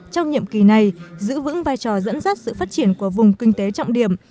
trong nhiệm kỳ này giữ vững vai trò dẫn dắt sự phát triển của vùng kinh tế trọng điểm